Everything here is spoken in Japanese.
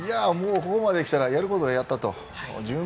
ここまできたらやることはやったと。